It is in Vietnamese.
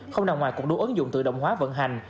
không nằm ngoài cuộc đua ứng dụng tự động hóa vận hành